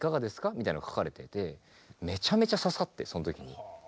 みたいなのが書かれててめちゃめちゃ刺さってその時に。